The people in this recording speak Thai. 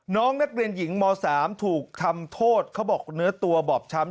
น้องนักเรียนหญิงม๓ถูกทำโทษเขาบอกเนื้อตัวบอบช้ำ